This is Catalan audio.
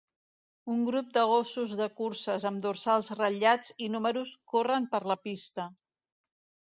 Un grup de gossos de curses amb dorsals ratllats i números corren per la pista.